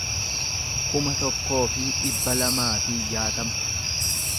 kuma tokkoo fi dhibba lamaa fi jaatama